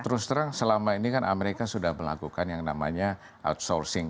terus terang selama ini kan amerika sudah melakukan yang namanya outsourcing